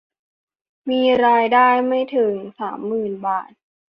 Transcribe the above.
มีรายได้ไม่ถึง สามหมื่น บาท